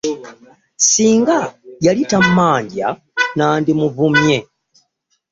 Ssinga yali tammanja nandimuvumye.